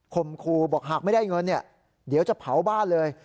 มคูบอกหากไม่ได้เงินเนี่ยเดี๋ยวจะเผาบ้านเลย